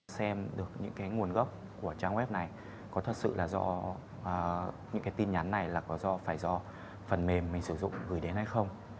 xem được những cái nguồn gốc của trang web này có thật sự là do những cái tin nhắn này là có phải do phần mềm mình sử dụng gửi đến hay không